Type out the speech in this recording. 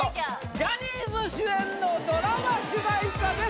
ジャニーズ主演のドラマ主題歌です